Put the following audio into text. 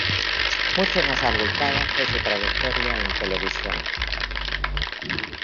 Mucho más abultada fue su trayectoria en televisión.